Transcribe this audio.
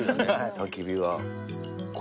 焚き火は。